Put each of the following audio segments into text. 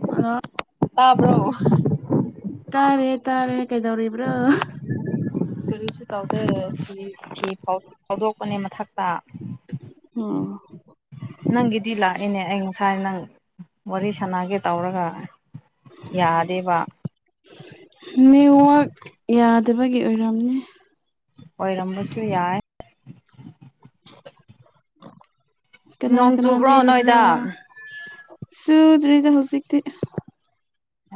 [unintelligible] ꯇꯥꯕ꯭ꯔꯣ꯫ ꯇꯥꯔꯦ ꯇꯥꯔꯦ ꯀꯩꯗꯧꯔꯤꯕ꯭ꯔꯣ꯫ ꯀꯔꯤꯁꯨ ꯇꯧꯗꯦ ꯐꯤ ꯐꯤ ꯐꯧ ꯐꯧꯗꯣꯛꯄꯅꯦ ꯃꯊꯛꯇ꯫ ꯑꯣ꯫ ꯅꯪꯒꯤꯗꯤ ꯂꯥꯛꯏꯅꯦ ꯑꯩ ꯉꯁꯥꯏ ꯅꯪ ꯋꯥꯔꯤ ꯁꯥꯟꯅꯒꯦ ꯇꯧꯔꯒ꯫ ꯌꯥꯗꯦꯕ꯫ ꯅꯦꯋꯥꯛ ꯌꯥꯗꯕꯒꯤ ꯑꯣꯏꯔꯝꯅꯤ꯫ ꯑꯣꯏꯔꯝꯕꯁꯨ ꯌꯥꯏ꯫ ꯀꯅꯥ ꯅꯣꯡ ꯀꯅꯥ ꯆꯨꯕ꯭ꯔꯣ ꯂꯩꯔꯤꯕ꯭ꯔꯣ꯫ ꯅꯣꯏꯗ ꯁꯨꯗ꯭ꯔꯤꯗ ꯍꯧꯖꯤꯛꯇꯤ꯫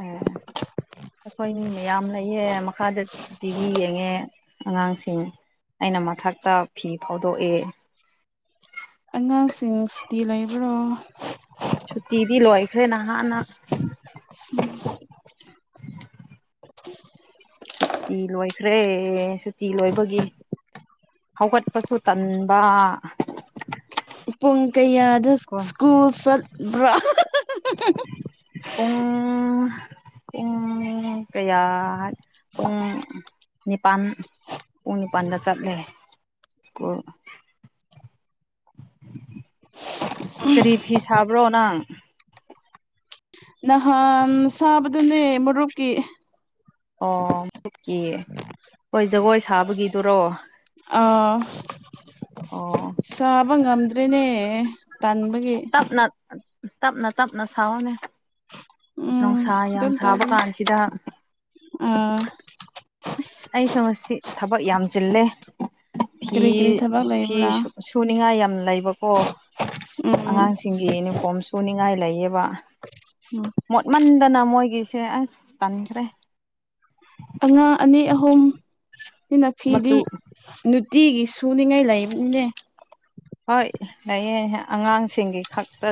ꯑꯦ ꯑꯩꯈꯣꯏ ꯃꯤ ꯃꯌꯥꯝ ꯂꯩꯌꯦ ꯃꯈꯥꯗ ꯇꯤꯚꯤ ꯌꯦꯡꯉꯦ ꯑꯉꯥꯡꯁꯤꯡ ꯑꯩꯅ ꯃꯊꯛꯇ ꯐꯤ ꯐꯧꯗꯣꯛꯏ꯫ ꯑꯉꯥꯡꯁꯤꯡ ꯁꯨꯇꯤ ꯂꯩꯕ꯭ꯔꯣ꯫ ꯁꯨꯇꯤꯗꯤ ꯂꯣꯏꯈ꯭ꯔꯦ ꯅꯍꯥꯟꯅ꯫ [inaudible] ꯁꯨꯇꯤ ꯂꯣꯏꯈ꯭ꯔꯦ ꯁꯨꯇꯤ ꯂꯣꯏꯕꯒꯤ꯫ ꯍꯧꯒꯠꯄꯁꯨ ꯇꯟꯕ꯫ ꯄꯨꯡ ꯀꯌꯥꯗ ꯁ꯭ꯀꯨꯜ ꯆꯠꯄ꯭ꯔꯥ꯫ ꯄꯨꯡ ꯄꯨꯡ ꯀꯌꯥ ꯄꯨꯡ ꯅꯤꯄꯥꯟ ꯄꯨꯡ ꯅꯤꯄꯥꯟꯗ ꯆꯠꯂꯦ ꯁ꯭ꯀꯨꯜ꯫ ꯀꯔꯤ ꯐꯤ ꯁꯥꯕ꯭ꯔꯣ ꯅꯪ꯫ ꯅꯍꯥꯟ ꯁꯥꯕꯗꯨꯅꯦ ꯃꯔꯨꯞꯀꯤ꯫ ꯑꯣ [inaudible] ꯀꯤ ꯍꯣꯏ ꯖꯒꯣꯏ ꯁꯥꯕꯒꯤꯗꯨꯔꯣ꯫ ꯑꯥ꯫ ꯑꯣ ꯁꯥꯕ ꯉꯝꯗ꯭ꯔꯦꯅꯦ ꯇꯟꯕꯒꯤ꯫ ꯇꯞꯅ ꯇꯞꯅ ꯇꯞꯅ ꯁꯥꯑꯣꯅꯦ꯫ ꯎꯝ ꯅꯨꯡꯁꯥ ꯌꯥꯝ ꯁꯥꯕ ꯀꯥꯟꯁꯤꯗ꯫ ꯑ꯫ ꯑꯁ ꯑꯩꯁꯨ ꯉꯁꯤ ꯊꯕꯛ ꯌꯥꯝ ꯆꯤꯜꯂꯦ꯫ ꯐꯤ ꯀꯔꯤ ꯀꯔꯤ ꯊꯕꯛ ꯐꯤ ꯂꯩꯕ꯭ꯔꯥ ꯁꯨꯅꯤꯡꯉꯥꯏ ꯌꯥꯝ ꯂꯩꯕꯀꯣ꯫ ꯎꯝ ꯑꯉꯥꯡꯁꯤꯡꯒꯤ ꯌꯨꯅꯤꯐꯣꯔꯝ ꯁꯨꯅꯤꯡꯉꯥꯏ ꯂꯩꯌꯦꯕ ꯎꯝ ꯃꯣꯠꯃꯟꯗꯅ ꯃꯣꯏꯒꯤꯁꯦ ꯑꯁ ꯇꯟꯈ꯭ꯔꯦ ꯑꯉꯥꯡ ꯑꯅꯤ ꯑꯍꯨꯝ ꯁꯤꯅ ꯃꯆꯨ ꯐꯤꯗꯤ ꯅꯨꯡꯇꯤꯒꯤ ꯁꯨꯅꯤꯡꯉꯥꯏ ꯂꯩꯕꯅꯤꯅꯦ ꯍꯣꯏ ꯂꯩꯌꯦ ꯑꯉꯥꯡꯁꯤꯡꯒꯤ ꯈꯛꯇ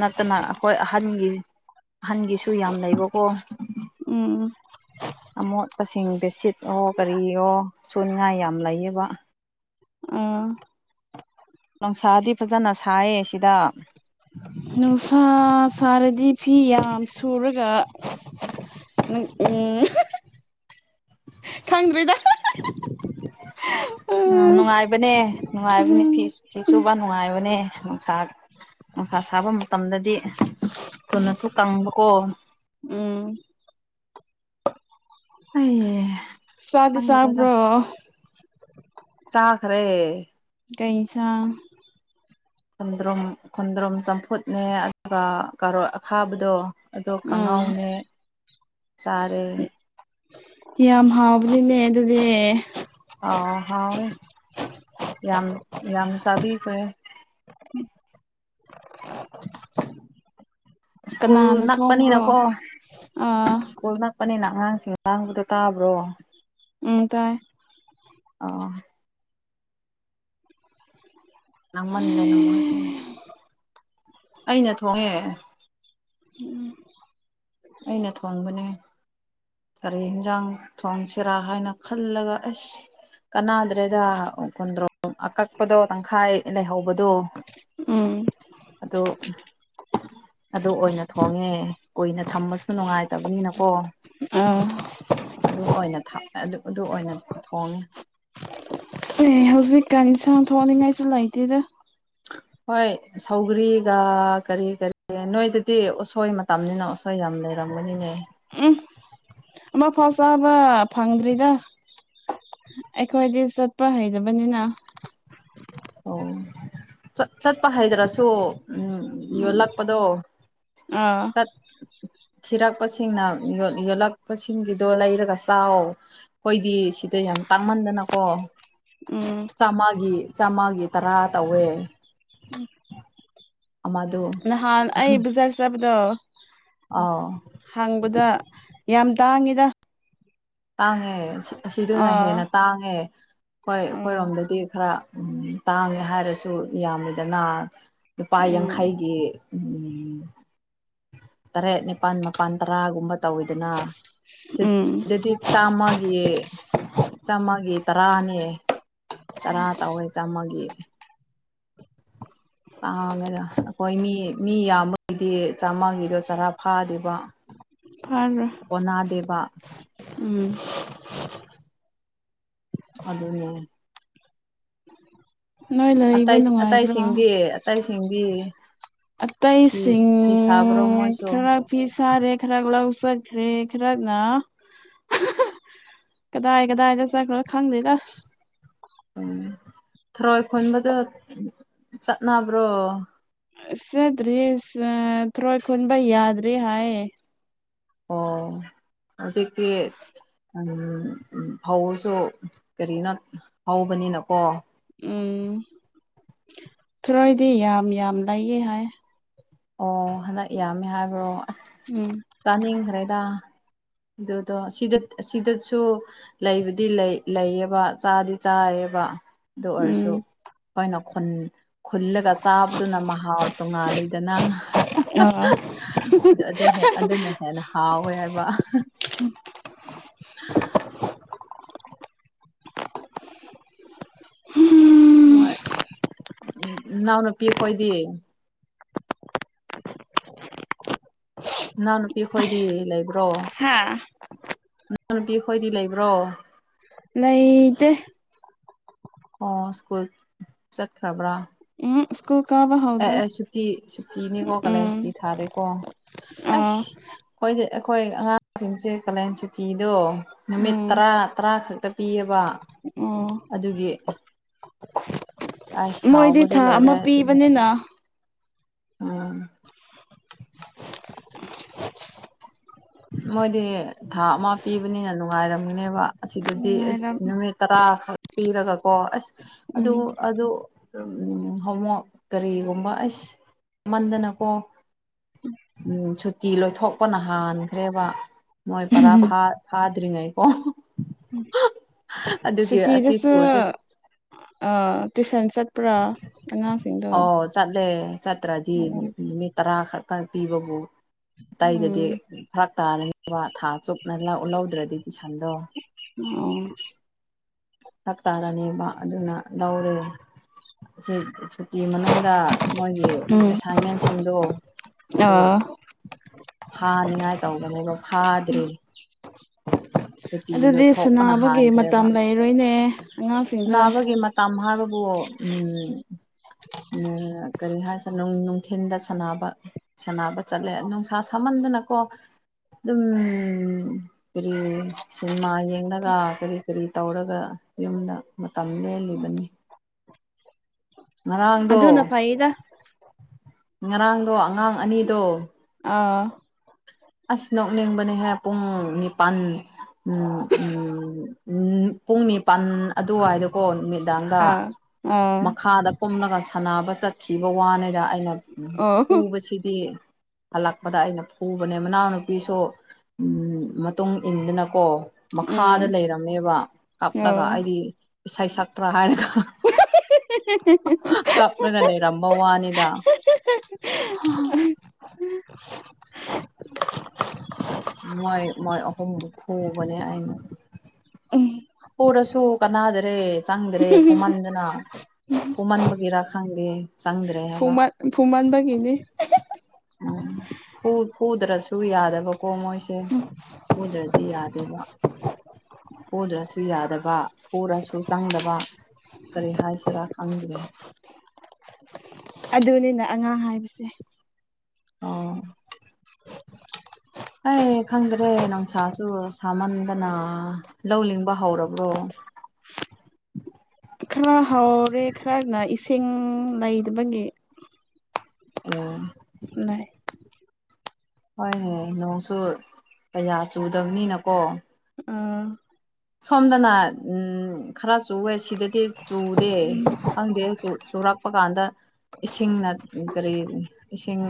ꯅꯠꯇꯅ ꯑꯩꯈꯣꯏ ꯑꯍꯟꯒꯤ ꯑꯍꯟꯒꯤꯁꯨ ꯌꯥꯝ ꯂꯩꯕꯀꯣ ꯎꯝ ꯑꯃꯣꯠꯄꯁꯤꯡꯗ ꯁꯤꯠ ꯑꯣ ꯀꯔꯤ ꯑꯣ ꯁꯨꯅꯤꯡꯉꯥꯏ ꯌꯥꯝ ꯂꯩꯌꯦꯕ ꯑꯥ ꯅꯨꯡꯁꯥꯗꯤ ꯐꯖꯅ ꯁꯥꯏꯌꯦ ꯁꯤꯗ ꯅꯨꯡꯁꯥ ꯁꯥꯔꯗꯤ ꯐꯤ ꯌꯥꯝ ꯁꯨꯔꯒ ꯎꯝ ꯎꯝ ꯈꯪꯗ꯭ꯔꯦꯗ ꯎꯝ ꯅꯨꯡꯉꯥꯏꯕꯅꯦ ꯅꯨꯡꯉꯥꯏꯕꯅꯦ ꯐꯤ ꯐꯤ ꯁꯨꯕ ꯅꯨꯡꯉꯥꯏꯕꯅꯦ ꯅꯨꯡꯁꯥ ꯅꯨꯡꯁꯥ ꯁꯥꯕ ꯃꯇꯝꯗꯗꯤ ꯊꯨꯅꯁꯨ ꯀꯪꯕꯀꯣ ꯎꯝ ꯑꯩꯅꯦ ꯆꯥꯗꯤ ꯆꯥꯕ꯭ꯔꯣ ꯆꯥꯈ꯭ꯔꯦ ꯀꯩ ꯁꯥꯡ ꯈꯣꯟꯗ꯭ꯔꯨꯝ ꯈꯣꯟꯗ꯭ꯔꯨꯝ ꯆꯝꯐꯨꯠꯅꯦ ꯑꯗꯨꯒ ꯀꯥꯔꯣꯠ ꯑꯈꯥꯕꯗꯣ ꯑꯗꯣ ꯎꯝ ꯀꯥꯡꯉꯥꯎꯅꯦ ꯆꯥꯔꯦ ꯌꯥꯝ ꯍꯥꯎꯕꯅꯤꯅꯦ ꯑꯗꯨꯗꯤ ꯑꯧ ꯍꯥꯎꯋꯦ ꯌꯥꯝ ꯌꯥꯝ ꯆꯥꯕꯤꯈꯦ ꯁ꯭ꯀꯨꯜ ꯀꯅꯥꯅ ꯊꯣꯡꯕ꯭ꯔꯣ ꯅꯛꯄꯅꯤꯅꯀꯣ ꯑꯥ ꯁ꯭ꯀꯨꯜ ꯅꯛꯄꯅꯤꯅ ꯑꯉꯥꯡꯁꯤꯡ ꯂꯥꯡꯕꯗꯣ ꯇꯥꯕ꯭ꯔꯣ ꯎꯝ ꯇꯥꯏ ꯑꯣ ꯂꯥꯡꯃꯟꯗꯅ ꯃꯣꯏꯁꯤ ꯑꯩꯅ ꯊꯣꯡꯉꯦ [unintelligible] ꯑꯩꯅ ꯊꯣꯡꯕꯅꯦ ꯀꯔꯤ ꯏꯟꯖꯥꯡ ꯊꯣꯡꯁꯤꯔꯥ ꯍꯥꯏꯅ ꯈꯜꯂꯒ ꯑꯁ ꯀꯅꯥꯗ꯭ꯔꯦꯗ ꯑꯣ ꯈꯣꯟꯗꯔꯣ ꯑꯀꯛꯄꯗꯣ ꯇꯪꯈꯥꯏ ꯂꯩꯍꯧꯕꯗꯣ ꯎꯝ ꯑꯗꯨ ꯑꯗꯨ ꯑꯣꯏꯅ ꯊꯣꯡꯉꯦ ꯀꯨꯏꯅ ꯊꯝꯕꯁꯨ ꯅꯨꯡꯉꯥꯏꯇꯕꯅꯤꯅꯀꯣ ꯑꯥ ꯑꯗꯨ ꯑꯣꯏꯅ ꯊꯝꯃꯦ ꯑꯗꯨ ꯑꯗꯨ ꯑꯣꯏꯅ ꯊꯣꯡꯉꯦ ꯑꯦ ꯍꯧꯖꯤꯛꯀꯟ ꯏꯟꯁꯥꯡ ꯊꯣꯡꯅꯤꯡꯉꯥꯏꯁꯨ ꯂꯩꯇꯦꯗ ꯍꯣꯏ ꯁꯧꯒ꯭ꯔꯤꯒ ꯀꯔꯤ ꯀꯔꯤ ꯅꯣꯏꯗꯗꯤ ꯎꯁꯣꯏ ꯇꯝꯅꯤꯅ ꯎꯁꯣꯏ ꯌꯥꯝꯅ ꯂꯩꯔꯝꯒꯅꯤꯅꯦ ꯑꯃ ꯐꯥꯎ ꯆꯥꯕ ꯐꯪꯗ꯭ꯔꯤꯗ ꯑꯩꯈꯣꯏꯗꯤ ꯆꯠꯄ ꯍꯩꯇꯕꯅꯤꯅ ꯑꯣ ꯆꯠ ꯆꯠꯄ ꯍꯩꯗ꯭ꯔꯁꯨ ꯎꯝ ꯌꯣꯜꯂꯛꯄꯗꯣ ꯑꯥ [unintelligible] ꯊꯤꯔꯛꯄꯁꯤꯡꯅ ꯌꯣꯜ ꯌꯦꯜꯂꯛꯄꯁꯤꯡꯒꯤꯗꯣ ꯂꯩꯔꯒ ꯆꯥꯎ ꯑꯩꯈꯣꯏꯗꯤ ꯁꯤꯗ ꯌꯥꯝ ꯇꯥꯡꯃꯟꯗꯅꯀꯣ ꯎꯝ ꯆꯥꯝꯃꯒꯤ ꯆꯥꯝꯃꯒꯤ ꯇꯔꯥ ꯇꯧꯋꯦ [unintelligible] ꯑꯃꯗꯨ ꯅꯍꯥꯟ ꯑꯩ ꯕꯖꯥꯔ ꯆꯕꯗꯣ ꯑꯥꯎ ꯍꯪꯕꯗ ꯌꯥꯝ ꯇꯥꯡꯉꯤꯗ ꯇꯥꯡꯉꯦ ꯑꯁꯤ ꯑꯁꯤꯗꯅ ꯑꯥ ꯍꯦꯟꯅ ꯇꯥꯡꯉꯦ ꯍꯣꯏ ꯎꯝ ꯑꯩꯈꯣꯏꯔꯣꯝꯗꯗꯤ ꯈꯔ ꯎꯝ ꯇꯥꯡꯉꯦ ꯍꯥꯏꯔꯁꯨ ꯌꯥꯝꯃꯤꯗꯅ ꯂꯨꯄꯥ ꯎꯝ ꯌꯥꯡꯈꯩꯒꯤ ꯎꯝ ꯇꯔꯦꯠ ꯅꯤꯄꯥꯟ ꯃꯄꯥꯟ ꯇꯔꯥꯒꯨꯝꯕ ꯇꯧꯏꯗꯅ ꯁꯤꯠ ꯎꯝ ꯁꯤ ꯗꯤ ꯆꯥꯝꯃꯒꯤ ꯆꯥꯝꯃꯒꯤ ꯇꯔꯥꯅꯦ ꯇꯔꯥ ꯇꯧꯋꯦ ꯆꯥꯝꯃꯒꯤ ꯇꯥꯡꯉꯦꯗ ꯑꯩꯈꯣꯏ ꯃꯤ ꯃꯤ ꯌꯥꯝꯕꯒꯤꯗꯤ ꯆꯥꯝꯃꯒꯤꯗꯣ ꯆꯔꯥ ꯐꯥꯗꯦꯕ ꯐꯗꯦ ꯀꯣꯟꯅꯗꯦꯕ ꯎꯝ ꯑꯗꯨꯅꯦ ꯅꯣꯏ ꯂꯩꯕ ꯅꯨꯡꯉꯥꯏꯕ꯭ꯔꯣ ꯇꯩꯁꯤꯡꯕꯤ ꯑꯇꯩꯁꯤꯡ ꯃꯣꯏꯁꯨ ꯈꯔ ꯐꯤ ꯁꯥꯔꯦ ꯈꯔ ꯂꯧ ꯆꯠꯈ꯭ꯔꯦ ꯈꯔꯛꯅ ꯀꯗꯥꯏ ꯀꯗꯥꯏꯗ ꯆꯠꯈꯔꯕ ꯈꯪꯗꯦꯗ ꯎꯝ ꯊꯔꯣꯏ ꯈꯨꯟꯕꯗꯣ ꯆꯠꯅꯕ꯭ꯔꯣ ꯆꯠꯇ꯭ꯔꯤꯌꯦ ꯑ‌ ꯊ꯭ꯔꯣꯏ ꯈꯨꯟꯕ ꯌꯥꯗ꯭ꯔꯤ ꯍꯥꯏꯌꯦ ꯑꯣ ꯍꯧꯖꯤꯛꯇꯤ [unintelligible] ꯐꯧꯁꯨ ꯀꯔꯤꯅꯣꯠ ꯍꯧꯕꯅꯤꯅꯀꯣ ꯎꯝ ꯊꯔꯣꯏꯗꯤ ꯌꯥꯝ ꯌꯥꯝ ꯂꯩꯌꯦ ꯍꯥꯏ ꯑꯣ ꯍꯟꯗꯛ ꯌꯥꯝꯃꯦ ꯍꯥꯏꯕ꯭ꯔꯣ ꯑꯁ ꯎꯝ ꯇꯥꯅꯤꯡꯈ꯭ꯔꯦꯗ ꯑꯗꯨꯗꯣ ꯁꯤꯗꯠ ꯑꯁꯤꯗꯠꯁꯨ ꯂꯩꯕꯗꯤ ꯂꯩ ꯂꯩꯌꯦꯕ ꯆꯥꯗꯤ ꯆꯥꯌꯦꯕ ꯑꯗꯨ ꯑꯣꯏꯔꯁꯨ ꯎꯝ ꯑꯩꯈꯣꯏꯅ ꯈꯨꯟ ꯈꯨꯜꯂꯒ ꯆꯥꯕꯗꯨꯅ ꯃꯍꯥꯎ ꯇꯣꯉꯥꯜꯂꯤ ꯑ ꯑ ꯑꯗꯨꯍꯦ ꯑꯗꯨꯅ ꯍꯦꯟꯅ ꯍꯥꯎꯋꯦ ꯍꯥꯏꯕ [inaudible] ꯍꯣꯏ ꯎꯝ ꯏꯅꯥꯎꯅꯨꯄꯤ ꯈꯣꯏꯗꯤ ꯏꯅꯥꯎꯅꯨꯄꯤ ꯈꯣꯏꯗꯤ ꯂꯩꯕ꯭ꯔꯣ ꯍꯥꯥ ꯅꯅꯥꯎꯅꯨꯨꯄꯤ ꯈꯣꯏꯗꯤ ꯂꯩꯕ꯭ꯔꯣ ꯂꯩꯇꯦ ꯑꯣ ꯁ꯭ꯀꯨꯜ ꯆꯠꯈ꯭ꯔꯕ꯭ꯔꯥ ꯑꯨꯡ ꯁ꯭ꯀꯨꯜ ꯀꯥꯕ ꯍꯧ ꯑꯦ ꯑꯦ ꯁꯨꯇꯤ ꯁꯨꯇꯤꯅꯤꯀꯣ ꯀꯥꯂꯦꯟ ꯁꯨꯇꯤ ꯎꯝ ꯊꯥꯔꯦꯀꯣ ꯑꯥ ꯑꯩꯁ ꯈꯣꯏꯒꯤ ꯑꯩꯈꯣꯏ ꯑꯉꯥꯡꯁꯤꯡꯁꯦ ꯀꯥꯂꯦꯟ ꯁꯨꯇꯤꯗꯣ ꯅꯨꯃꯤꯠ ꯎꯝ ꯇꯔꯥ ꯇꯔꯥ ꯈꯛꯇ ꯄꯤꯌꯦꯕ ꯑꯣ ꯑꯗꯨꯒꯤ ꯑꯩ ꯃꯣꯏꯗꯤ ꯁꯥꯎꯕꯗꯣ ꯊꯥ ꯑꯃ ꯂꯣꯏꯔꯦ ꯄꯤꯕꯅꯤꯅ ꯎꯝ [unintelligible] ꯃꯣꯏꯗꯤ ꯊꯥ ꯑꯃ ꯄꯤꯕꯅꯤꯅ ꯅꯨꯡꯉꯥꯏꯔꯝꯒꯅꯦꯕ ꯑꯁꯤꯗꯗꯤ ꯑꯁ ꯅꯨꯡꯉꯥꯏꯔꯝ ꯅꯨꯃꯤꯠ ꯇꯔꯥꯈꯛ ꯄꯤꯔꯒꯀꯣ ꯑꯁ ꯑꯗꯨ ꯎꯝ ꯑꯗꯨ ꯍꯣꯝꯋꯥꯛ ꯀꯔꯤꯒꯨꯝꯕ ꯑꯁ ꯃꯟꯗꯅꯀꯣ ꯎꯝ ꯁꯨꯇꯤ ꯂꯣꯏꯊꯣꯛꯄꯅ ꯍꯥꯟꯈ꯭ꯔꯦꯕ ꯃꯣꯏ ꯄꯔꯥ ꯐꯥꯗ꯭ꯔꯤꯉꯩꯀꯣ ꯑꯗꯨꯒꯤ ꯑꯁꯤ ꯁꯨꯇꯤꯗꯁꯨ ꯁ꯭ꯀꯨꯜꯁꯦ ꯑꯥ ꯇꯨꯏꯁꯟ ꯆꯠ ꯑꯣ ꯆꯠꯂꯦ ꯆꯇ꯭ꯔꯥꯗꯤ ꯑꯣ ꯅꯨꯃꯤꯠ ꯇꯔꯥ ꯈꯛꯇꯪ ꯄꯤꯕꯕꯨ ꯑꯥꯏꯗꯗꯤ ꯎꯝ ꯐꯔꯛ ꯇꯥꯔꯅꯤ ꯊꯥ ꯆꯨꯞꯅ ꯂꯧꯗ꯭ꯔꯗꯤ ꯇꯨꯢꯁꯟꯗꯣ [unintelligible] [inaudible] ꯇꯥꯔꯅꯦꯕ ꯑꯗꯨꯅ ꯂꯧꯔꯦ ꯁꯨꯇꯤ ꯃꯅꯨꯡꯗ ꯃꯣꯏꯒꯤ ꯎꯝ ꯑꯦꯁꯥꯏꯟꯃꯦꯟꯁꯤꯡꯗꯣ ꯑꯗꯨ ꯑꯥ ꯐꯥꯅꯤꯡꯉꯥꯏ ꯇꯧꯕꯅꯦꯕ ꯐꯥꯗ꯭ꯔꯤ ꯁꯨꯇꯤ ꯑꯗꯨꯗꯤ ꯂꯣꯏꯊꯣꯛꯄꯅ ꯁꯥꯟꯅꯕꯒꯤ ꯃꯇꯝ ꯂꯩꯔꯣꯏꯅꯦ ꯑꯉꯥꯡꯁꯤꯡꯗꯣ ꯁꯥꯟꯅꯥꯕꯒꯤ ꯃꯇꯝ ꯍꯥꯏꯕꯕꯨ ꯎꯝ ꯀꯔꯤ ꯍꯥꯏꯁꯤꯔ ꯅꯨꯡꯊꯤꯟꯜꯗ ꯁꯥꯟꯅꯕ ꯁꯥꯟꯅꯕ ꯆꯠꯂꯦ ꯅꯨꯡꯁꯥ ꯁꯥꯝꯃꯟꯗꯅꯀꯣ ꯑꯗꯨꯝ ꯀꯔꯤ ꯁꯤꯅꯦꯃꯥ ꯌꯦꯡꯂꯒ ꯀꯔꯤ ꯀꯔꯤ ꯇꯧꯔꯒ ꯌꯨꯝꯗ ꯃꯇꯝ ꯂꯦꯜꯂꯤꯕꯅꯤ ꯉꯔꯥꯡꯗꯣ ꯂꯩꯗ ꯉꯔꯥꯡꯗꯣ ꯑꯉꯥꯡ ꯑꯅꯤꯗꯣ ꯑꯥ ꯑꯁ ꯅꫭꯛꯅꯤꯡꯕꯅꯦꯍꯦ ꯄꯨꯡ ꯅꯤꯄꯥꯟ ꯎꯝ ꯎꯝ ꯄꯨꯡ ꯅꯤꯄꯜ ꯑꯗꯨꯋꯥꯏꯗꯀꯣ ꯅꯨꯃꯤꯠ ꯗꯥꯡꯗ ꯑꯥ ꯑꯥ ꯃꯈꯥꯗ ꯀꯨꯝꯂꯒ ꯁꯥꯟꯅꯕ ꯆꯠꯈꯤꯕ ꯋꯥꯅꯤꯗ ꯑꯩꯅ ꯑꯣ ꯐꯨꯕꯁꯤꯗꯤ ꯍꯜꯂꯛꯄꯗ ꯑꯩꯅ ꯐꯨ ꯃꯅꯥꯎꯅꯨꯄꯤꯁꯨ ꯎꯝ ꯃꯇꯨꯡ ꯏꯟꯗꯨꯅꯀꯣ ꯎꯝ ꯃꯈꯥꯗ ꯂꯩꯔꯝꯃꯦꯕ ꯑꯣ ꯀꯞꯂꯒ ꯑꯩꯗꯤ ꯏꯁꯩ ꯁꯛꯄꯔꯥ ꯍꯥꯏꯔꯒ ꯀꯞꯔꯒ ꯂꯩꯔꯝꯕ ꯋꯥꯅꯤꯗꯥ [unintelligible] ꯍꯣꯏ ꯃꯣꯏ ꯑꯍꯨꯝꯕꯨ ꯐꯕꯅꯦ ꯑꯩꯅ ꯐꯨꯔꯁꯨ ꯀꯥꯟꯅꯥꯗ꯭ꯔꯦ ꯆꯪꯗ꯭ꯔꯦ ꯐꯨꯝꯃꯟꯗꯅ ꯐꯨꯝꯃꯟꯕꯒꯤꯔ ꯈꯪꯗꯦ ꯆꯪꯗ꯭ꯔꯦ ꯍꯥꯏꯕ ꯐꯨꯃꯥꯟꯕꯒꯤꯅꯤ ꯎꯝ ꯐꯨ ꯐꯨꯗ꯭ꯔꯁꯨ ꯌꯥꯗꯕ ꯃꯣꯏꯁꯦ ꯄꯨꯗ꯭ꯔꯗꯤ ꯌꯥꯗꯦꯕ ꯐꯨꯗ꯭ꯔꯁꯨ ꯌꯥꯗꯕ ꯄꯨꯔꯁꯨ ꯆꯪꯗꯕ ꯀꯔꯤ ꯍꯥꯏꯁꯤꯔꯥ ꯈꯪꯗ꯭ꯔꯦ ꯑꯗꯨꯅꯤꯅ ꯑꯉꯥꯡ ꯍꯥꯏꯕꯁꯦ ꯑꯣ ꯑꯩ ꯈꯪꯗ꯭ꯔꯦ ꯅꯨꯡꯁꯥꯁꯨ ꯁꯥꯃꯟꯗꯅ ꯂꯧ ꯂꯤꯡꯕ ꯍꯧꯔꯕ꯭ꯔꯣ ꯈꯔ ꯍꯥꯎꯔꯦ ꯈꯔꯅ ꯏꯁꯤꯡ ꯂꯩꯕꯒꯤ ꯎꯝ ꯂꯩꯥ ꯍꯣꯏꯅꯦ ꯅꯣꯡꯁꯨ ꯀꯌꯥ ꯆꯨꯗꯕꯅꯤꯅꯀꯣ ꯑꯥ ꯁꯣꯝꯗꯅ ꯎꯝ ꯈꯔ ꯆꯨꯋꯦ ꯁꯤꯗꯗꯤ ꯆꯨꯗꯦ ꯈꯪꯗꯦ ꯆꯨꯔꯛꯄ ꯀꯥꯟꯗ ꯏꯁꯤꯡꯅ ꯀꯔꯤ ꯏꯁꯤꯡ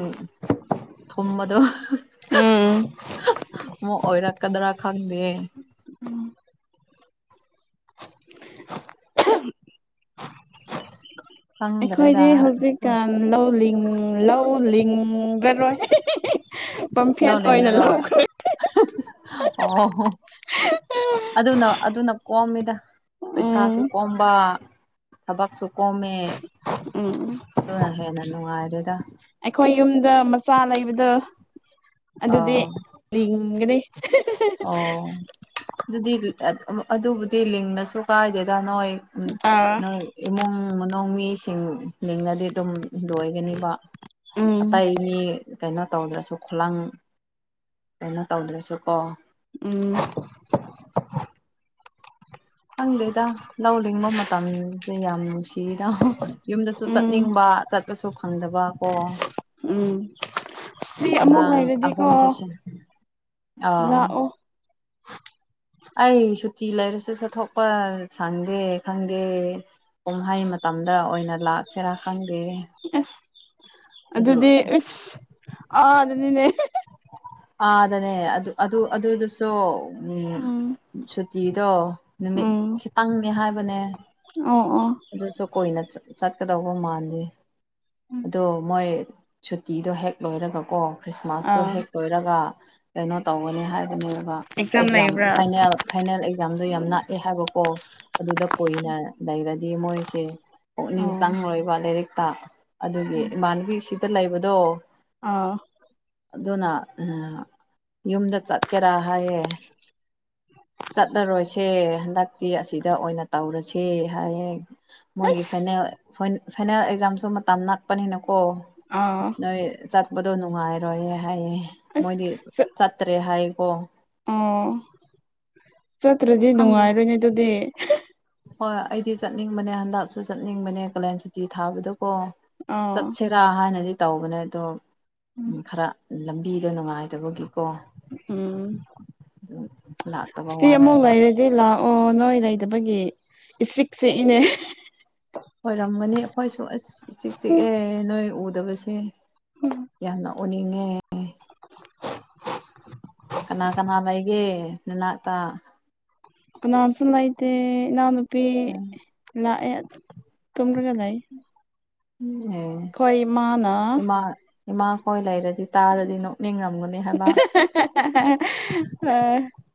ꯊꯨꯝꯕꯗꯣ ꯎꯝ ꯑꯃꯨꯛ ꯑꯣꯏꯔꯛꯀꯗ꯭ꯔ ꯈꯪꯗꯦ [unintelligible] ꯈꯪꯗ꯭ꯔꯦꯗ ꯑꯩꯈꯣꯏꯗꯤ ꯍꯧꯖꯤꯛꯀꯥꯟ ꯂꯧ ꯂꯤꯡ ꯂꯧ ꯂꯤꯡ ꯒꯔꯣꯏ ꯄꯝꯐꯦꯟ ꯂꯧ ꯑꯣꯏꯅ ꯂꯤꯡꯉꯔꯣꯏ ꯂꯧꯈ꯭ꯔꯦ ꯑꯣ [unintelligible] ꯑꯗꯨꯅ ꯑꯗꯨꯅ ꯀꯣꯝꯅꯤꯗ ꯄꯩꯁꯥꯁꯨ ꯎꯝ ꯀꯣꯝꯕ ꯊꯕꯛꯁꯨ ꯀꯣꯝꯃꯦ ꯎꯝ ꯑꯗꯨꯅ ꯍꯦꯟꯅ ꯅꯨꯡꯉꯥꯏꯔꯦꯗ ꯑꯩꯈꯣꯏ ꯌꯨꯝꯗ ꯃꯆꯥ ꯂꯩꯕꯗꯣ ꯑꯗꯨꯗꯤ ꯑꯧ ꯂꯤꯡꯒꯅꯤ [unintelligible] ꯑꯣ ꯑꯗꯨꯗꯤ ꯑꯗꯨꯕꯨꯗꯤ ꯂꯤꯡꯉꯁꯨ ꯀꯥꯏꯗꯦꯗ ꯅꯣꯏ ꯎ ꯑꯥ ꯅꯣꯏ ꯏꯃꯨꯡ ꯃꯅꯨꯡ ꯃꯤꯁꯤꯡ ꯂꯤꯡꯉꯗꯤ ꯑꯗꯨꯝ ꯂꯣꯏꯒꯅꯤꯕ ꯎꯝ ꯑꯇꯩ ꯃꯤ ꯀꯩꯅꯣ ꯇꯧꯗ꯭ꯔꯁꯨ ꯈꯨꯂꯪ ꯀꯩꯅꯣ ꯇꯧꯗ꯭ꯔꯁꯨ ꯀꯣ ꯎꯝ ꯈꯪꯗꯦꯗ ꯂꯧ ꯂꯤꯡꯕ ꯃꯇꯝꯁꯦ ꯌꯥꯝ ꯅꯨꯡꯁꯤꯗ ꯌꯨꯝꯗꯁꯨ ꯎꯝ ꯆꯠꯅꯤꯡꯕ ꯆꯠꯄꯁꯨ ꯐꯪꯗꯕ ꯑꯣ ꯎꯝ ꯁꯤ ꯑꯃꯨꯛ ꯑꯉꯥꯡ ꯂꯩꯔꯗꯤꯀꯣ ꯑꯍꯨꯝꯁꯦ ꯑꯣ ꯂꯥꯛꯑꯣ ꯑꯩ ꯁꯨꯇꯤ ꯂꯩꯔꯁꯨ ꯆꯠꯊꯣꯛꯄ ꯁꯪꯗꯦ ꯈꯪꯗꯦ ꯀꯨꯝꯍꯩ ꯃꯇꯝꯗ ꯑꯣꯏꯅ ꯂꯥꯛꯁꯤꯔꯥ ꯈꯪꯗꯦ ꯑꯦꯁ ꯑꯗꯨ ꯑꯗꯨꯗꯤ ꯏꯁ ꯑꯥ ꯗꯅꯤꯅꯦ ꯑꯗꯅꯦ ꯑꯗꯨ ꯑꯗꯨ ꯑꯗꯨꯗꯁꯨ ꯎꯝ ꯁꯨꯇꯤꯗꯣ ꯅꯨꯃꯤꯠ ꯎꯝ ꯈꯤꯇꯪꯅꯦ ꯍꯥꯏꯕꯅꯦ ꯑꯣ ꯑꯣ ꯑꯗꯨꯁꯨ ꯀꯨꯏꯅ ꯆꯠꯀꯗꯧꯕ ꯃꯥꯥꯜꯂꯦ ꯑꯗꯣ ꯃꯣꯏ ꯁꯨꯇꯤꯗꯣ ꯍꯦꯛ ꯂꯣꯏꯔꯒꯀꯣ ꯈ꯭ꯔꯤꯁꯃꯥꯁꯇꯣ ꯑꯥ ꯍꯦꯛ ꯂꯣꯏꯔꯒ ꯀꯩꯅꯣ ꯇꯧꯒꯅꯤ ꯍꯥꯏꯕꯅꯦꯕ ꯑꯦꯛꯖꯥꯝ ꯐꯥꯏꯅꯦꯜ ꯐꯥꯏꯅꯦꯜ ꯑꯦꯛꯖꯥꯝꯗꯣ ꯌꯥꯝ ꯅꯛꯑꯦ ꯍꯥꯏꯕꯀꯣ ꯑꯗꯨꯗ ꯀꯨꯏꯅ ꯂꯩꯔꯅꯤ ꯃꯣꯏꯁꯤ ꯄꯨꯛꯅꯤꯡ ꯑꯣ ꯆꯪꯉꯣꯏꯕ ꯂꯥꯏꯔꯤꯛꯇ ꯑꯗꯨꯒꯤ ꯏꯃꯥꯟꯅꯕꯤꯁꯤ ꯂꯩꯕꯗꯣ ꯑꯥ ꯑꯗꯨꯅ ꯌꯨꯝꯗ ꯆꯠꯀꯦꯔꯥ ꯍꯥꯏꯌꯦ [unintelligible] ꯆꯠꯂꯔꯣꯏꯁꯦ ꯍꯟꯗꯛꯇꯤ ꯑꯁꯤꯗ ꯑꯣꯏꯅ ꯇꯧꯔꯁꯦ ꯍꯥꯏꯌꯦ ꯃꯣꯏꯒꯤ ꯑꯁ ꯐꯥꯏꯅꯦꯜ ꯐꯥꯏꯅꯦꯜ ꯑꯦꯛꯖꯥꯝꯁꯨ ꯃꯇꯝ ꯅꯛ ꯄꯥꯅꯤꯅꯥꯀꯣ ꯑꯥ ꯅꯣꯏ ꯆꯠꯄꯗꯣ ꯅꯨꯡꯉꯥꯏꯔꯣꯏꯌꯦ ꯍꯥꯏꯌꯦ ꯃꯣꯏꯗꯤ ꯑꯁ ꯆꯠꯇ꯭ꯔꯦ ꯍꯥꯏꯀꯣ ꯑꯣ ꯆꯠꯇ꯭ꯔꯗꯤ ꯈꯪꯗꯦ ꯅꯨꯡꯉꯥꯏꯔꯣꯏꯅꯦ ꯑꯗꯨꯗꯤ ꯍꯣꯏ ꯑꯩꯗꯤ ꯆꯠꯅꯤꯡꯕꯅꯦ ꯍꯟꯗꯛꯁꯨ ꯆꯠꯅꯤꯡꯕꯅꯦ ꯀꯥꯂꯦꯟ ꯁꯨꯇꯤ ꯊꯥꯕꯗꯀꯣ ꯑꯥ ꯆꯠꯁꯦ ꯗꯥ ꯍꯥꯏꯅꯗꯤ ꯇꯧꯕꯅꯦ ꯑꯗꯣ ꯈꯔ ꯂꯝꯕꯤꯗꯣ ꯅꯨꯡꯉꯥꯏꯇꯕꯒꯤꯀꯣ ꯎꯝ ꯑꯗꯨꯝ ꯂꯥꯛꯇꯕ ꯁꯤꯇꯤ ꯑꯃꯨꯛ ꯋꯥꯅꯦꯕ ꯂꯩꯔꯦ ꯗꯤ ꯂꯥꯛꯑꯣ ꯅꯣꯏ ꯂꯩꯗꯕꯒꯤ ꯏꯆꯤꯛ ꯆꯤꯛꯏꯅꯦ ꯑꯣꯏꯔꯝꯒꯅꯤ ꯑꯩꯈꯣꯏꯁꯨ ꯑꯁ ꯏꯆꯤꯛ ꯆꯤꯛꯑꯦ ꯅꯣꯏ ꯎꯗꯕꯁꯦ ꯌꯥꯝꯅ ꯎꯅꯤꯡꯉꯦ [unintelligible] ꯀꯅꯥ ꯀꯅꯥ ꯂꯩꯒꯦ ꯅꯅꯥꯛꯇ ꯀꯅꯥꯝꯁꯨ ꯂꯩꯇꯦ ꯏꯅꯥꯎꯅꯨꯄꯤ ꯂꯥꯛꯑꯦ ꯇꯨꯝꯔꯒ ꯂꯩ ꯎ ꯑꯦ ꯑꯩꯈꯣꯏ ꯏꯃꯥꯅ ꯏꯃꯥ ꯏꯃꯥꯈꯣꯏ ꯂꯩꯔꯗꯤ ꯇꯥꯔꯗꯤ ꯅꯣꯛꯅꯤꯡꯔꯝꯒꯅꯤ ꯍꯥꯏꯕ [unintelligible]